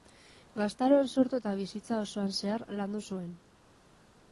Gaztaroan sortu eta bizitza osoan zehar landu zuen.